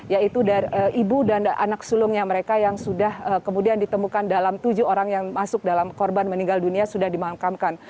yaitu ibu dan anak sulungnya mereka yang sudah kemudian ditemukan dalam tujuh orang yang masuk dalam korban meninggal dunia sudah dimakamkan